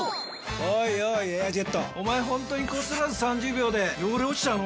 おいおい「エアジェット」おまえホントにこすらず３０秒で汚れ落ちちゃうの？